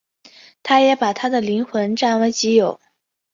他也把她的灵魂据为己有。